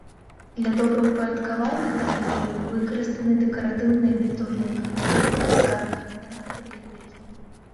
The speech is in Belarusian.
Для добраўпарадкавання тэрыторыі выкарыстаны дэкаратыўныя бетонныя пліты, каскадны фантан, кветнікі.